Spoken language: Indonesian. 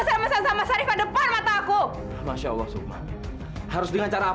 saya masih rasanya